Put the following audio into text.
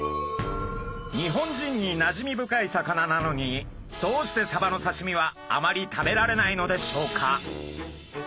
日本人になじみ深い魚なのにどうしてサバの刺身はあまり食べられないのでしょうか！？